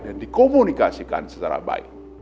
dan dikomunikasikan secara baik